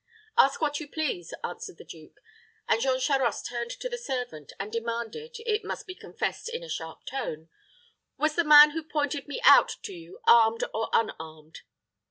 "Ask what you please," answered the duke; and Jean Charost turned to the servant, and demanded, it must be confessed, in a sharp tone, "Was the man who pointed me out to you armed or unarmed?"